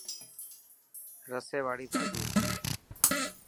رسي واڙي ڀاڄي.